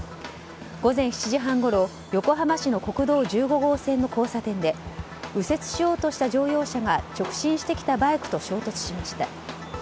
午前７時半ごろ横浜市の国道１５号線の交差点で右折しようとした乗用車が直進してきたバイクと衝突しました。